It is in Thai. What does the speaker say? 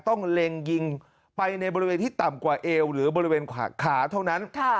เล็งยิงไปในบริเวณที่ต่ำกว่าเอวหรือบริเวณขาเท่านั้น